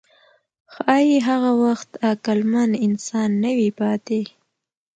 ښایي هغه وخت عقلمن انسان نه وي پاتې.